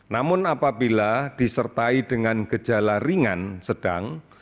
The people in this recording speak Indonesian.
namun apabila disertai dengan gejala ringan sedang